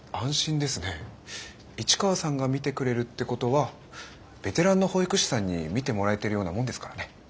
市川さんが見てくれるってことはベテランの保育士さんに見てもらえてるようなもんですからね。